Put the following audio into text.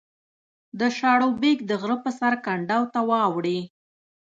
د شاړوبېک د غره په سر کنډو ته واوړې